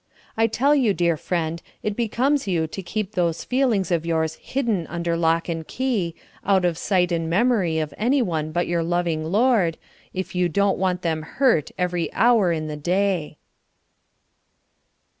I tell you, dear friend, it becomes you to keep those feelings of yours hidden under lock and key, out of sight and memory of anyone but your loving Lord, if you don't want them hurt every hour in the day.